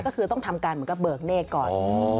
ก็คือต้องทำการเหมือนกับเบิกเนธก่อน